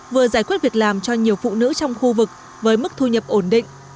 vừa giải quyết việc làm cho nhiều phụ nữ trong khu vực với mức thu nhập ổn định